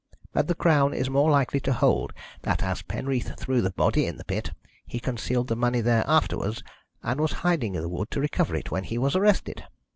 But the Crown is more likely to hold that as Penreath threw the body in the pit, he concealed the money there afterwards, and was hiding in the wood to recover it when he was arrested.